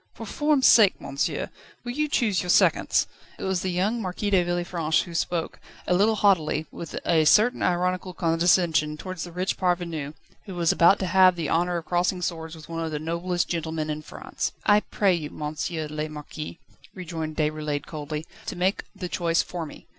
"For form's sake, monsieur, will you choose your seconds?" It was the young Marquis de Villefranche who spoke, a little haughtily, with a certain ironical condescension towards the rich parvenu, who was about to have the honour of crossing swords with one of the noblest gentlemen in France. "I pray you, Monsieur le Marquis," rejoined Déroulède coldly, "to make the choice for me.